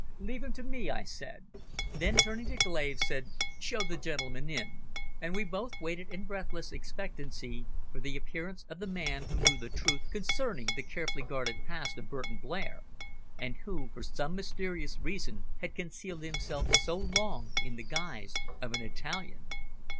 "Leave him to me," I said. Then turning to Glave, said, "Show the gentleman in." And we both waited in breathless expectancy for the appearance of the man who knew the truth concerning the carefully guarded past of Burton Blair, and who, for some mysterious reason, had concealed himself so long in the guise of an Italian.